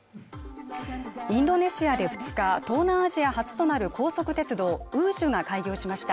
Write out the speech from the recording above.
インドネシアで２日東南アジア初となる高速鉄道、ＷＨＯＯＳＨが開業しました。